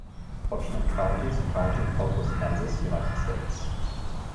Hodgman County is a county in Southwest Kansas, United States.